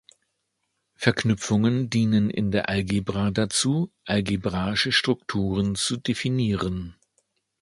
Verknüpfungen dienen in der Algebra dazu, algebraische Strukturen zu definieren.